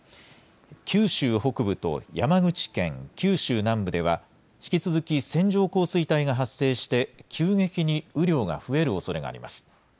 九州北部と山口県、九州南部では引き続き線状降水帯が発生して急激に雨量が増えるおそれがあります。